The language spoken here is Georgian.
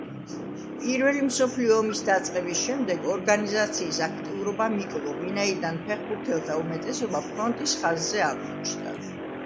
პირველი მსოფლიო ომის დაწყების შემდეგ, ორგანიზაციის აქტიურობამ იკლო, ვინაიდან ფეხბურთელთა უმეტესობა ფრონტის ხაზზე აღმოჩნდა.